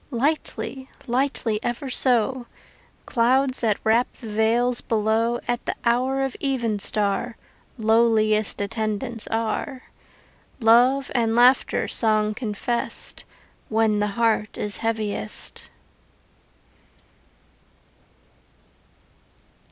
Lightly, lightly ever so: Clouds that wrap the vales below At the hour of evenstar Lowliest attendants are; Love and laughter song confessed When the heart is heaviest.